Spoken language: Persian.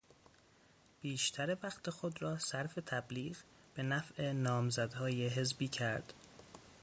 بیشتر وقت خود را صرف تبلیغ به نفع نامزدهای حزبی کرد.